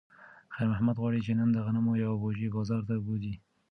خیر محمد غواړي چې نن د غنمو یوه بوجۍ بازار ته بوځي.